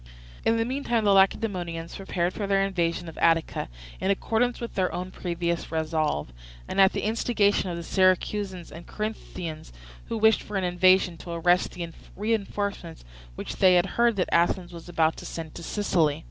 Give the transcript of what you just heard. In the meantime the Lacedaemonians prepared for their invasion of Attica, in accordance with their own previous resolve, and at the instigation of the Syracusans and Corinthians, who wished for an invasion to arrest the reinforcements which they heard that Athens was about to send to Sicily.